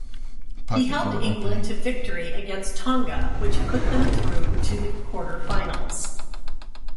He helped England to victory against Tonga which put them through to the quarter-finals.